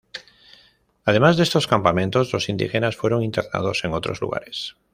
Además de estos campamentos, los indígenas fueron internados en otros lugares.